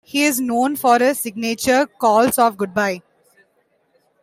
He is known for his signature calls of "Goodbye!